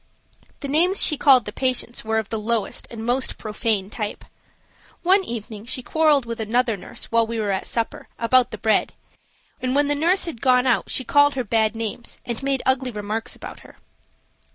The names she called the patients were of the lowest and most profane type. One evening she quarreled with another nurse while we were at supper about the bread, and when the nurse had gone out she called her bad names and made ugly remarks about her.